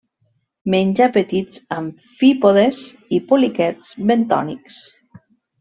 Menja petits amfípodes i poliquets bentònics.